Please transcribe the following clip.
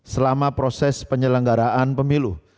selama proses penyelenggaraan pemilu